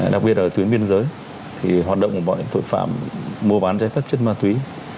đặc biệt là ở tuyến biên giới thì hoạt động của bọn tội phạm mua bán giấy phép chất ma túy